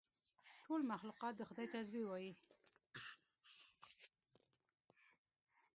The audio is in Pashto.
ټول مخلوقات د خدای تسبیح وایي.